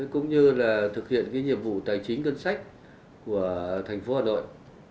cũng như là thực hiện nhiệm vụ tài chính cân sách của thành phố hà nội